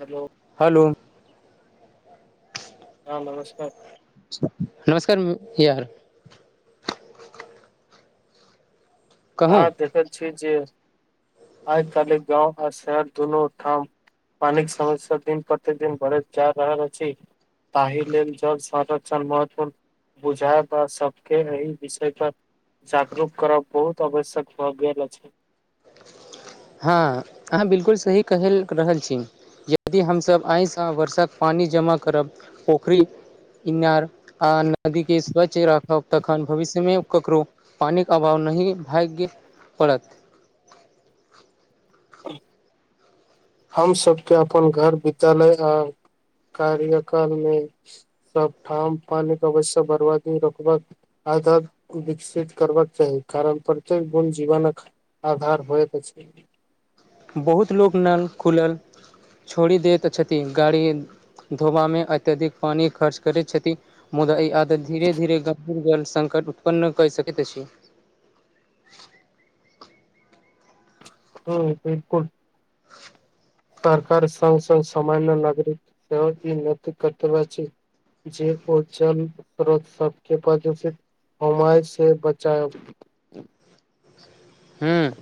Hello hello हँ नमस्कार। नमस्कार यार। कहू अहाँ देखैत छी जे [inaudible] आइ काल्हि गाँव आ शहर दुनू ठाम पानी केँ समस्या दिन प्रतिदिन बढ़ैत जा रहल अछि, ताहि लेल जल संरक्षण महत्वपूर्ण बुझायब आ सब केँ एहि विषय पर जागरूक करब बहुत आवश्यक भऽ गेल अछी हँ अहाँ बिल्कुल सही कही रहल छी यदि हम सभ आइ स वर्षाक पानी जमा करब पोखरी इनार आ नदी केँ स्वच्छ राखब तखन भविष्य में ककरो पानी कऽ अभाव नै भाग्य पड़त [unintelligible] [inaudible] हम सब कऽ अपन घर विद्यालय आ कार्यकाल में सब ठाम पानी कऽ आवश्यक बरबादी रोकबा कऽ- आधार विकसित करबाक चाही कारण प्रत्येक बुद जीवन कऽ आधार होइत छै बहुत लोको नल खुल्ल छोड़ि देैत छथिन गाड़ी धोबा में अत्यधिक पानी खर्च करैत छथि मुदा ई आदत धीरे धीरे गम्भीर जल संकट उत्पन्न कै सकैत अछि, हु बिल्कुल सरकार संग संग सामान्य नागरिक [unintelligible] जी ओ जल स्रोत सब केँ [unintelligible] हमाय से बचाइव हूँ।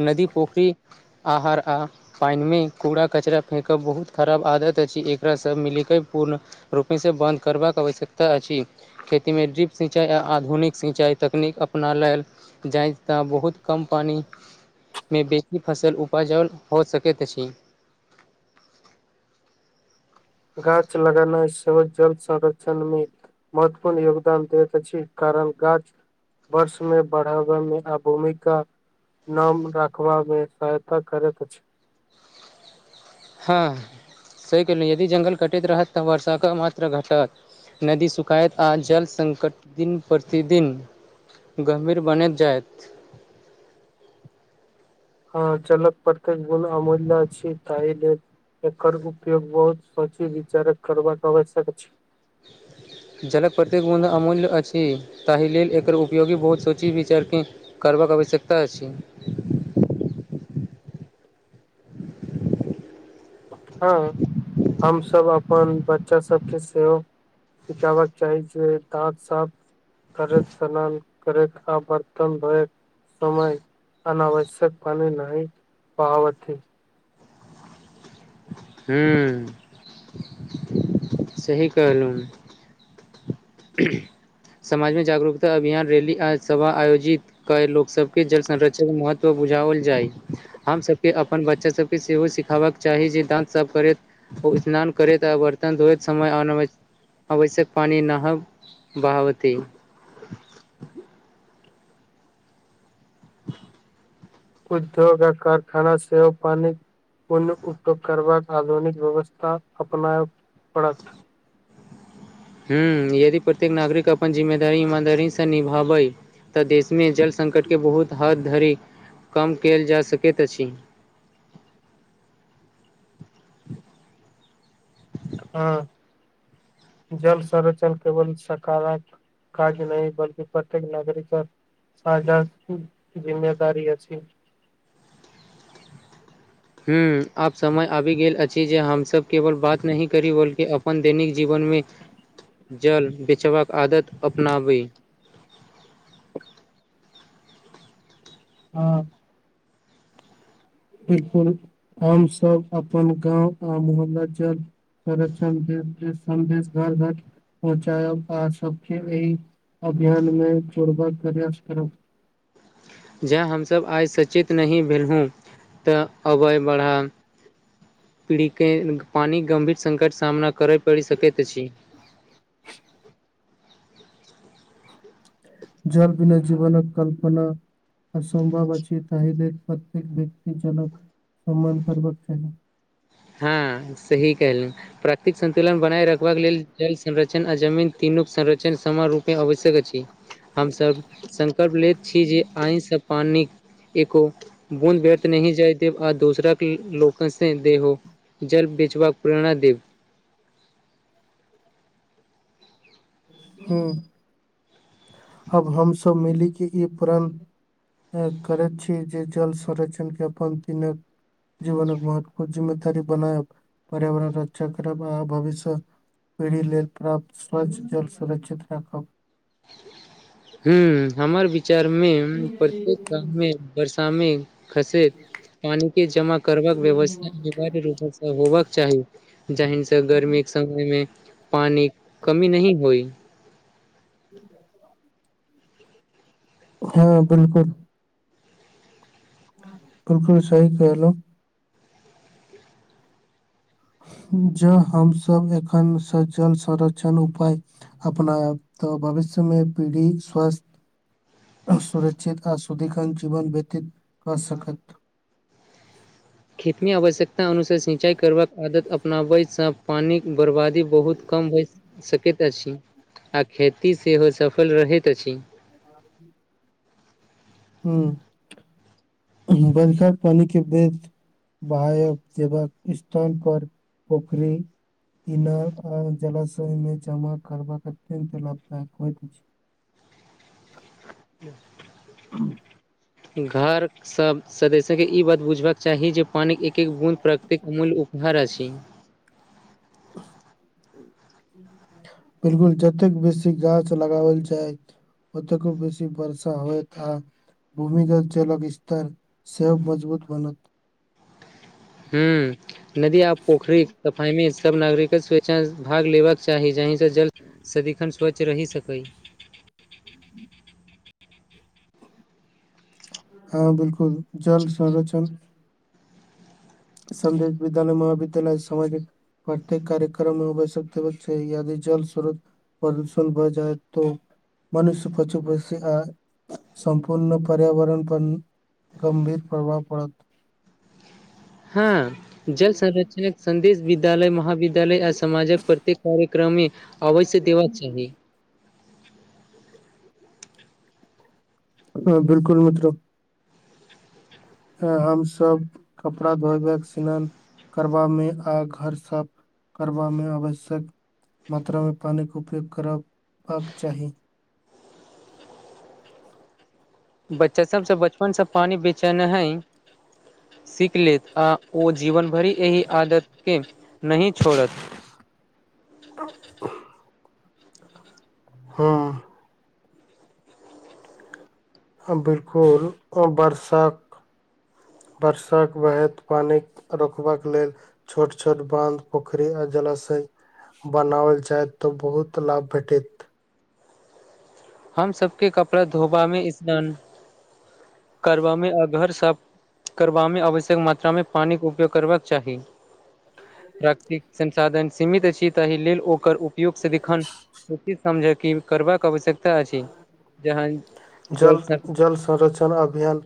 नदी पुखरी [inaudible] आहार आ पाइन में कूड़ा कचरा फेकब बहुत खराब आदत अछि एकरास मिल कऽ पूर्ण रूपमे से बंन्द करबाक आवश्यकता अछि खेती में डिप सिंचाई आ आधुनिक सिंचाइ तकनीक अपना लेल जाइत तऽ बहुत कम पानी में बेसी फसल उपज और हो सकैत अछि गाछ लगोनाइ सेहो जल संरक्षण में महत्वपूर्ण योगदान दैत अछि छी कारण गाछ वर्ष मे बढ़ावे में आ भूमिका नम राखबा में सहायता करैत अछि हँ सही केहलु यदि जंगल कटैत रहत तऽ वर्षा कऽ मात्रा घटत नदी सुखायत आ जल संकट दिन प्रतिदिन गम्भीर बनैत जाय थ हँ जल कऽ प्रत्येक बूंद अमूल्य छी ताहि लेल- एकर उपयोग बहुत सची विचारक करबाक कऽ आवश्यक अछि जलक प्रत्येक बुद अमूल्य अछि ताहि लेल एकर उपयोगी बहुत सोची विचार की करबाक आवश्यकता अछि हँ [inaudible] हम सभ अपन बच्चा सब केँ सेहो सिखाबा चाही जे दंत साफ करते [unintelligible] करैत आ बर्तन धोऐत समय अनावश्यक पानी नहीं वहावथी हू [unintelligible] सही कहलु समाजमे जागरूकता अभियान रैली आ सभा आयोजित कय लोक सभ केँ जल संरक्षण महत्व बुझाओल जाइ हम सभ केँ अपन बच्चा सब केँ सेहो सिखाबक चाही जे दांत साफ करैत ओ स्नान करैत आ बर्तन धोैत समय अनावश्यक [inaudible] आवश्यक पानी नहब बाहावती उद्योग आ कारखाना सेहो पानी कोन उपयोग करबाक आधुनिक व्यवस्था अपनायब पड़त हु यदि प्रत्येक नागरिक अपन जिम्मेदारी ईमानदारी स निभाबै तऽ देश में जल संकट बहुत हद धरि कम कयल जा सकैत अछि हँ [inaudible] जल संरचन केवल सकारात काज नही बल्कि प्रत्येक नागरिक फायदा [inaudible] जिममेदारी अछी हु आब समय आबी गेल अछि जे हम सब केवल बात नहीं करी बल्कि अपन दैनिक जीवन में [unintelligible] जल बेचबाक आदत अपनावी हँऽ बिल्कुल हम सब अपन गाँव आ मोहल्ला जल संरक्षण [unintelligible] संदेश घर घर पहुँचायब आ सब केँ एहि अभियान में जोड़बाक प्रयास करब जँ हम सभ आइ सचेत नहि भेल हुँ तऽ अबै बढ़ा पीढ़ी केँ पानी केँ गम्भीर संकट सामना करै पड़ी सकैत अछि। जल बीना जीवन कल्पना असम्भव अछि तहि लेल प्रत्येक व्यक्ति जल कऽ सम्मान करबाक चाही। हँ सही कहलहु प्राकृतिक संन्तुलन बनाए रखबाक लेल जल संरक्षण आ जमीन तीनूक संरक्षण समान रूपमे आवश्यक अछि। हम सभ संकल्प लेैत छी जे आइ स पानी कऽ एक हो बूंद बर्थ नहीं जाय देब आ दूसरा लोक से दे हो जल बेचबाक प्रेरणा देब [unintelligible] अब हम सब मिली केँ ई प्रण करैत छी जे जल संरक्षण के अपन दिनक जीवन महत्वपूर्ण जिम्मेदी दारी बंनायब पर्यावरण रक्षा करब आ भविष्य पीढ़ी लेल प्राप्त स्वच्छ जल सुरक्षित राखब हुं हमर विचार मे प्रत्येक गाव मे बर्सा मे खसै पानी के जमा करबाक व्यवस्था अनिवार्य रूप होबके चाही जाहिन से गर्मीक के समय मे पानी कमी न होइ ठीक छै [unintelligible] हँ बिलकुल बिलकुल सही कहलहुँ ज हमस एखनसँ जल संरक्षण उपाय अपना तऽ भविष्य मे पीढ़ी स्वस्थ सुरक्षित आ शुद्धिकंत जीवन व्यतीत कय सकैत खेतमे आवश्यकता अनुसार सिंचाइ करबाक आदत अपनाबैसँ पानिके बर्बादी बहुत कम भइ सकैत अछि आ खेती सेहो सफल रहैत अछि। [unintelligible] बरखार पानि के बेस बायक देवक स्थान पर पोखरी इनार आ जलाशय मे जमा करबाक अत्यन्त लाभदायक होइत अछि। [unintelligible] [unintelligible] घर सब सदस्य के ई बात बुझबाक चाही जे पानिक एक एक गुण प्रकृतिक अमूल्य उपहार अछि। [inaudible] बिलकुल जतेक बेसी गाछ लगायल जयत ओतेक बेसी बर्षा होयत आब भूमिगत जलक स्तर सब मजबूत बनत हूँ नदी आ पोखरिक सफाईमे सभ नागरिकक स्वेच्छा सेभाग लेबाक चाही जहिमे त जल सदिखन स्वच्छ रहि सकयत हँ बिलकुल जल संरक्षण संध विद्यालय महाविद्यालय क सामाजिक प्रत्येक कार्यक्रममे बैनसकैत यैयदि जल स्रोत प्रदूषण भए जाए तो मनुष्य पशु पंछि आ सम्पूर्ण पर्यावरण पर गंभीर प्रभाव पड़त हँ जल संरक्षणक सन्देश विद्यालय महाविद्यालय आ समाजक प्रत्येक कार्यक्रम मे अवश्य देबाका चाही ह बिलकुल मत्रब हमस कपड़ा धोब स्नान करबामे आ घर साफ करबामे आवश्यक मात्रामे पानिके उपयोग करबाक चाही बच्चा सबसँ बचपनसँ पानि बेचना है सीख लेत आ ओ जीवन भरि एहि आदतके नहि छोड़त आ हँ [unintelligible] [unintelligible] हँ बिलकुल वर्षा वर्षाक वहैत पानि रोकबाक लेल छोट छोट बंध पोखरी आ जलाशय बनावल चाहत तऽ बहुत लाभ भेटैत हम सबके कपड़ा धोबा मे स्नान करबा मे अगर सब करबामे आवश्यक मात्रामे पानिके उपयोग करबाक चाही प्राकतिक संसाधन सीमित अछि ताहि लेल ओकर योगसँ देखिखन उचित समझ क करबाक आवश्यक त अछि जहन जे जल सब जल संरक्षण अभियान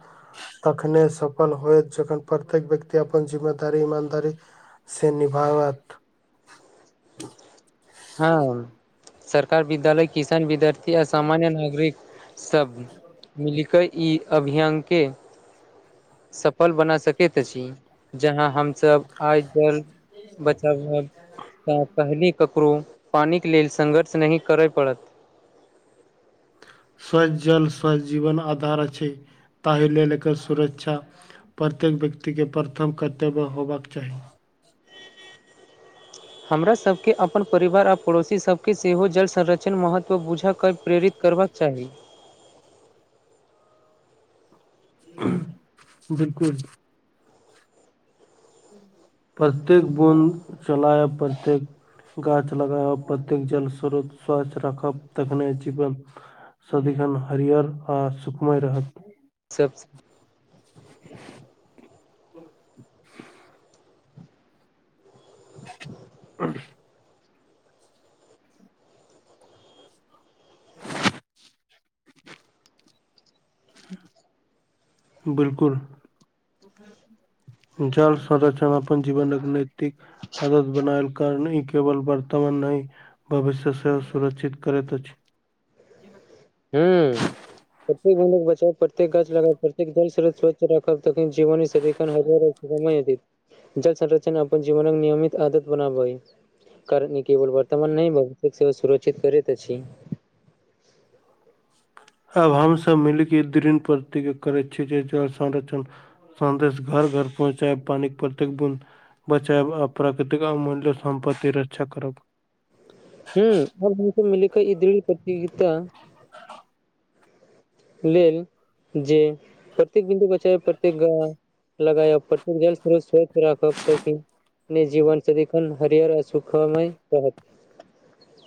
तखने सफल होइत जखन प्रत्येक व्यकति अपन जिम्मेदारी इमानदारी से निभावत हँ सरकार विद्यालय किसान विद्यार्थी आ सामान्य नागरिक सब मिलिकऽ ई अभियान के सफल बना सकैत अछि जहाँ हम सब आइ जल बचाव ह त पहल क ककरो पानिक लेल संङ्घर्ष नहि करय पड़त स्वच् जल स्वच् जीवन आधार अछै ताहि लेल एकर सुरक्षा प्रत्येक व्यक्ति के प्रथम कर्तव्य होयबाक चाही हमरा सबके अपन परिवार आओर पड़ोसी सबके सेहो जल संरचण महत्व बुझ के प्रेरित करबाक चाही बिलकुल प्रत्येक बन्द चला प्रत्येक गाछ लगाबब प्रतेक जल स्रोत स्वचछ राखब तखने जीवन सदिखन हरिहर आ सुकमय रहत सब [inaudible] [unintelligible] [inaudible] बिलकुल जल संर्षण अपन जीवनक नैतिक हदद बनायल कर ई केवल वर्तमान नय भविष्य सेहो सुरक्षित करैत अछि ह प्रत्येक मन्द बचाउ प्रत्येक गाछ लगाउ प्रत्येक जल स्रोत रखब तखन जीवन सदखन [unintelligible] [unintelligible] जल संरचन अपन जीवनक नियमित आदत बनाबइ कारण ई केवल वर्तमान नहि भहुतिक सेव सुरक्षित करैत अछी आब हमसभ मिलके द प्रत करै छियै जे जल संर्षण सदेश घर घर पहुँचाए पानि प्रतेक बुद बचायब आ प्राकृतिक अमूल्य सम्पति रक्षा करब। ह आब हमस मिल का ई दृढ़ प्रतियोगिता लेल जे प्रत्येक बिन्दु ब्च प्रत्येक- लगाय पट जल्रो स्वस्छ राख अब तक ही जीवन सदीन हरियर आ सुखमय रहत